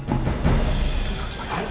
pak tahan tidak ngobrol disini